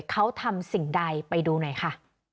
เขาทำสิ่งใดไปดูหน่อยค่ะ